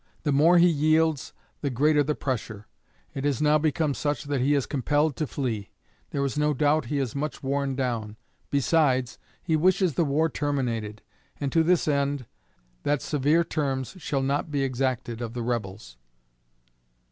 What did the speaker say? The more he yields, the greater the pressure. It has now become such that he is compelled to flee. There is no doubt he is much worn down. Besides, he wishes the war terminated, and, to this end, that severe terms shall not be exacted of the Rebels."